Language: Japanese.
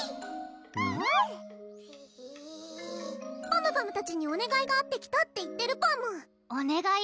「パムパムたちにおねがいがあって来た」って言ってるパムおねがい？